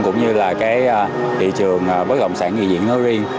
cũng như là thị trường bất động sản nghỉ diện nói riêng